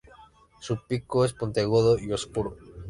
Su pico es puntiagudo y oscuro.